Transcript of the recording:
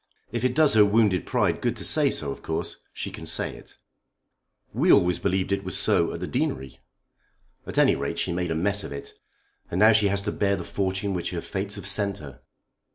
If it does her wounded pride good to say so of course she can say it." "We always believed that it was so at the Deanery." "At any rate she made a mess of it. And now she has to bear the fortune which her fates have sent her.